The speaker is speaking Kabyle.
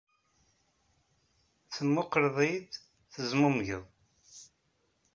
Temmuqqleḍ-iyi-d, tezmumgeḍ.